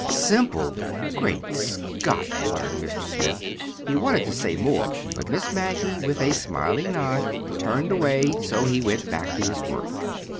"Simple! Great Scott!" muttered Mr. Smith. He wanted to say more; but Miss Maggie, with a smiling nod, turned away, so he went back to his work.